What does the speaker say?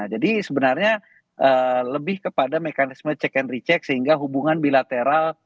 jadi sebenarnya lebih kepada mekanisme cek and recheck sehingga hubungan bilateral